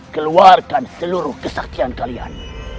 keluarkan seluruh kesaktian kalian